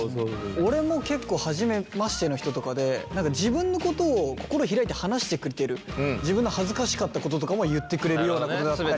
俺も結構初めましての人とかで自分のことを心開いて話してくれてる自分の恥ずかしかったこととかも言ってくれるようなことだったりとか。